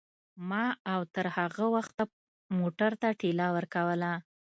ما او تر هغه وخته موټر ته ټېله ورکوله.